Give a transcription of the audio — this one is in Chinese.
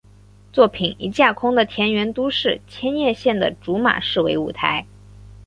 作品以架空的田园都市千叶县的竹马市为舞台。